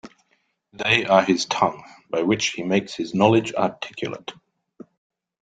They are his tongue, by which he makes his knowledge articulate.